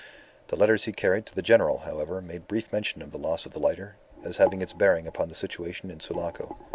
The letters he carried to the General, however, made brief mention of the loss of the lighter, as having its bearing upon the situation in Sulaco.